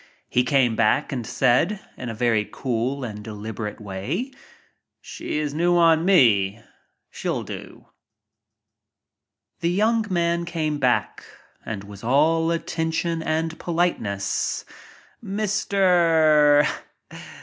He came back and said in a very cool and deliberate way : "She is a new one on me. She'll do." The young man came back and was all attention and politeness. "Mr.